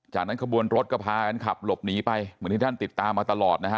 จากนั้นขบวนรถก็พากันขับหลบหนีไปเหมือนที่ท่านติดตามมาตลอดนะฮะ